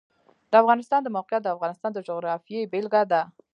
د افغانستان د موقعیت د افغانستان د جغرافیې بېلګه ده.